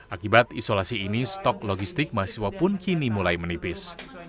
akibat isolasi ini stok logistik mahasiswa pun kini mulai menipis